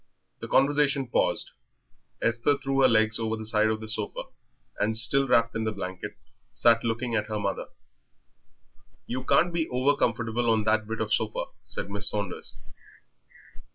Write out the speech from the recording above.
The conversation paused. Esther threw her legs over the side of the sofa, and still wrapped in the blanket, sat looking at her mother. "You can't be over comfortable on that bit of sofa," said Mrs. Saunders.